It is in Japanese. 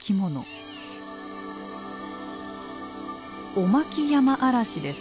オマキヤマアラシです。